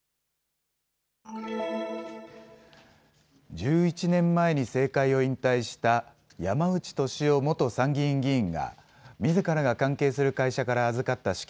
１１年前に政界を引退した山内俊夫元参議院議員がみずからが関係する会社から預かった資金